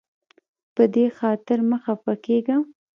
په دې خاطر مه خفه کیږه.